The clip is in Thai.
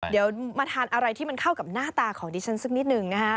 เดี๋ยวมาทานอะไรที่มันเข้ากับหน้าตาของดิฉันสักนิดหนึ่งนะฮะ